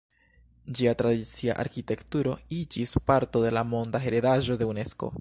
Ĝia tradicia arkitekturo iĝis parto de la Monda heredaĵo de Unesko.